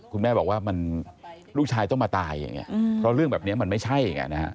คุณแม่บอกว่าลูกชายต้องมาตายเพราะเรื่องแบบนี้มันไม่ใช่